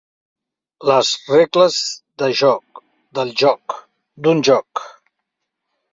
Les regles de joc, del joc, d'un joc.